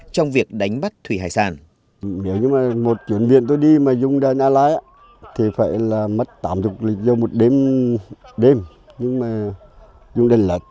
trong việc đánh bắt thủy hải sản